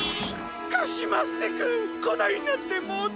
カシマッセくんこないなってもうて！